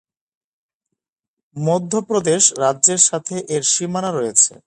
মধ্য প্রদেশ রাজ্যের সাথে এর সীমানা রয়েছে।